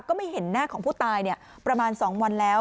ก็ไม่เห็นหน้าของผู้ตายประมาณ๒วันแล้ว